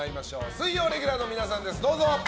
水曜レギュラーの皆さんです！